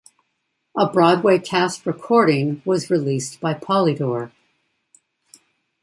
A Broadway cast recording was released by Polydor.